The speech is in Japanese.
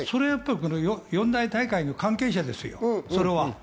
四大大会の関係者ですよ、それは。